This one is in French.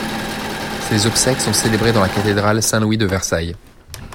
Ses obsèques sont célébrées dans la cathédrale Saint-Louis de Versailles.